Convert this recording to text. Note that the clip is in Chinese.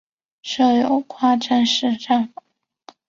设有跨站式站房。